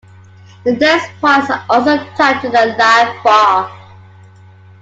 The dance points are also tied to the life bar.